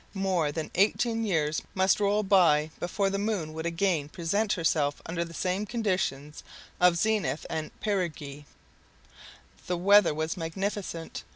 more than eighteen years must roll by before the moon would again present herself under the same conditions of zenith and perigee. The weather was magnificent.